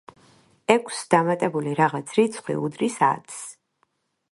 ექვსს დამატებული რაღაც რიცხვი უდრის ათს.